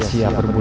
kita pernah juga